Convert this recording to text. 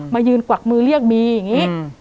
มายืนกวักมือเรียกบีอย่างนี้